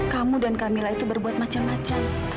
kamu dan camilla itu berbuat macam macam